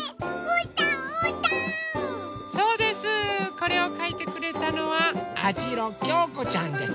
これをかいてくれたのはあじろきょうこちゃんです。